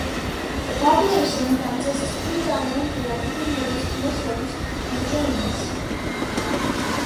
The population consists predominantly of Hindus, Muslims and Jains.